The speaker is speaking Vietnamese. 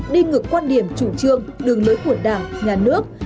đi ngược quan điểm chủ trương đường lối của đảng nhà nước